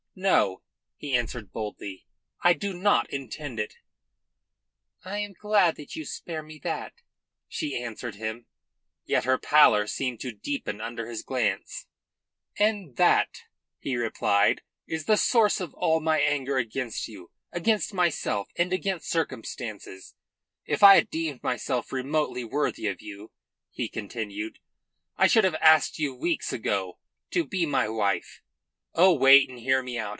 "No," he answered boldly, "I do not intend it." "I am glad that you spare me that," she answered him, yet her pallor seemed to deepen under his glance. "And that," he continued, "is the source of all my anger, against you, against myself, and against circumstances. If I had deemed myself remotely worthy of you," he continued, "I should have asked you weeks ago to be my wife. Oh, wait, and hear me out.